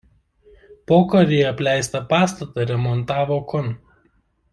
Pokaryje apleistą pastatą remontavo kun.